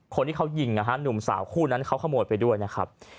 คนที่เขายิงนะฮะหนุ่มสาวคู่นั้นเขาขโมยไปด้วยนะครับ